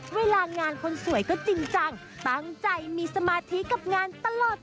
เวลางานคนสวยก็จริงจังตั้งใจมีสมาธิกับงานตลอด